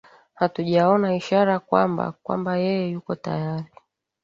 hatujaona ishara kwamba kwamba yeye yuko tayari